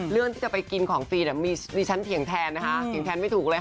เรื่องที่จะไปกินของฟรีดิฉันเถียงแทนนะคะเถียงแทนไม่ถูกเลยค่ะ